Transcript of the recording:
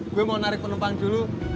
gue mau narik penumpang dulu